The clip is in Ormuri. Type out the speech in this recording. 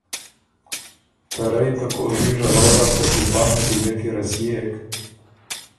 ته رئ ته کوژي ژغؤ لاسته ای پا نتیجۀ کی رسيېک